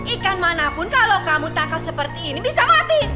ikan manapun kalau kamu takkau seperti ini bisa mati